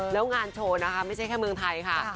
แล้วงานโชว์นะคะไม่ใช่แค่เมืองไทยค่ะ